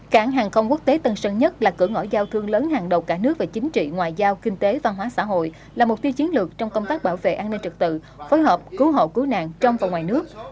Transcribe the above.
cảng hàng không quốc tế tân sơn nhất là cửa ngõ giao thương lớn hàng đầu cả nước về chính trị ngoại giao kinh tế văn hóa xã hội là mục tiêu chiến lược trong công tác bảo vệ an ninh trật tự phối hợp cứu hộ cứu nạn trong và ngoài nước